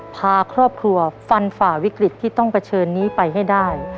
พาครอบครัวฟันฝ่าวิกฤตที่ต้องเผชิญนี้ไปให้ได้